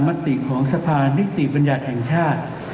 มติของสภานิติบัญญัติแห่งชาติ